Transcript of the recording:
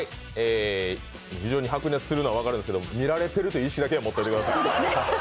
非常に白熱するのは分かるんですけど見られてるという意識だけは持っておいてください。